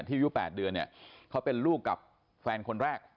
อายุ๘เดือนเนี่ยเขาเป็นลูกกับแฟนคนแรก